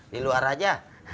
di luar aja